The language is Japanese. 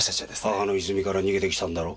母之泉から逃げてきたんだろ？